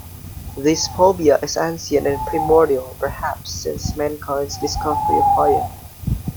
This phobia is ancient and primordial, perhaps since mankind's discovery of fire.